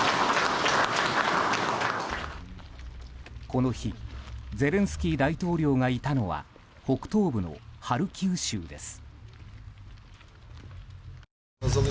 この日ゼレンスキー大統領がいたのは北東部のハルキウ州です。